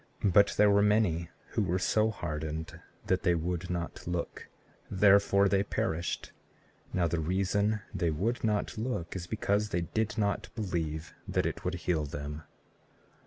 But there were many who were so hardened that they would not look, therefore they perished. Now the reason they would not look is because they did not believe that it would heal them.